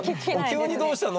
「急にどうしたの？」